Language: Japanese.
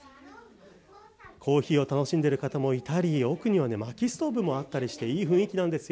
コーヒーを楽しんでいる方もいたり奥にはまきストーブもあったりしたり、いい雰囲気です。